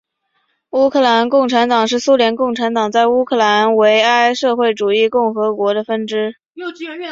乌克兰共产党是苏联共产党在乌克兰苏维埃社会主义共和国的分支。